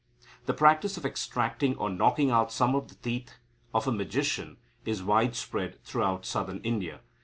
The practice of extracting or knocking out some of the teeth of a magician is widespread throughout Southern India.